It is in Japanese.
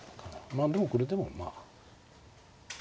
まあでもこれでもまあ。